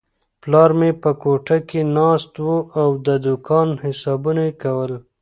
پلار مې په کوټه کې ناست و او د دوکان حسابونه یې کول.